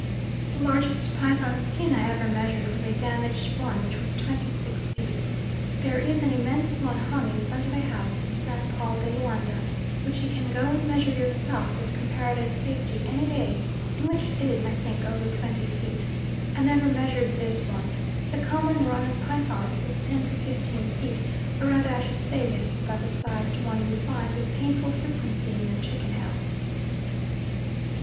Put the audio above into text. The largest python skin I ever measured was a damaged one, which was 26 feet. There is an immense one hung in front of a house in San Paul de Loanda which you can go and measure yourself with comparative safety any day, and which is, I think, over 20 feet. I never measured this one. The common run of pythons is 10 15 feet, or rather I should say this is about the sized one you find with painful frequency in your chicken house.